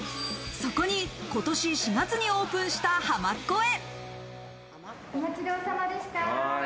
そこに今年４月にオープンした浜っ子へ。